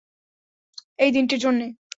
এই দিনটির জন্যে।